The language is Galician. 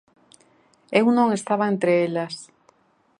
Eu non estaba entre elas.